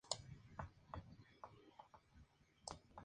El parque se encuentra en el lado oeste de la península.